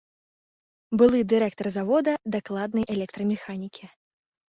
Былы дырэктар завода дакладнай электрамеханікі.